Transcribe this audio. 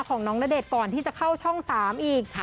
ของน้องณเดชน์ก่อนที่จะเข้าช่อง๓อีก